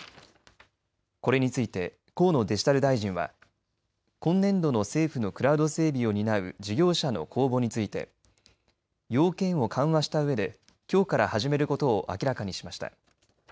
これについて河野デジタル大臣は今年度の政府のクラウド整備を担う事業者の公募について要件を緩和したうえできょうから始めることを明らかにしました。